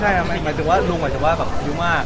ไม่ใช่เริ่มหมายถึงว่าก็ลุงที่ว่าแบบผิวมาก